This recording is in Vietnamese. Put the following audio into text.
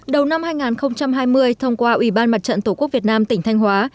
đầu năm hai nghìn hai mươi thông qua ủy ban mặt trận tổ quốc việt nam tỉnh thanh hóa